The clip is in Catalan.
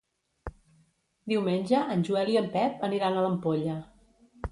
Diumenge en Joel i en Pep aniran a l'Ampolla.